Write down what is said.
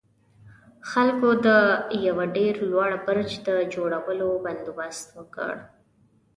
خلکو د يوه ډېر لوړ برج د جوړولو بندوبست وکړ.